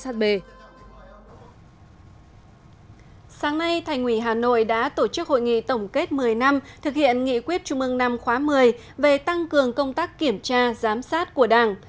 sáng nay thành ủy hà nội đã tổ chức hội nghị tổng kết một mươi năm thực hiện nghị quyết trung ương năm khóa một mươi về tăng cường công tác kiểm tra giám sát của đảng